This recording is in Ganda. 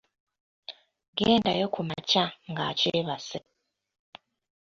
Gendayo kumakya ng'akyebase.